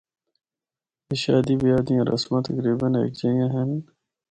اے شادی بیاہ دیاں رسماں تقریبا ہک جیاں ہن۔